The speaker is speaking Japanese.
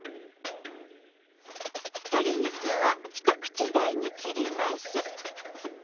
鶏肉は一口大に切ります。